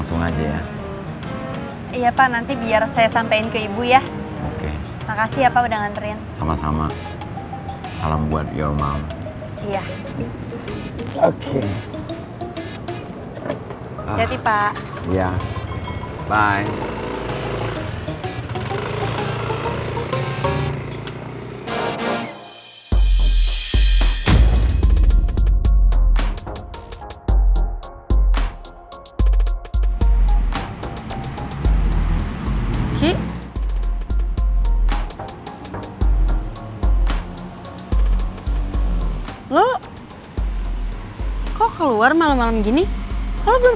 tunggu aku mau ngomong